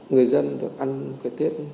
người dân được ăn cái tết